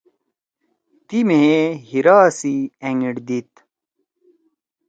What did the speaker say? تی مھیئے ہیرا سی أنگیِٹ دیِد۔